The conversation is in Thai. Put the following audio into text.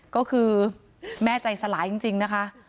ก็คือแม่ใจสลายจริงนะคะ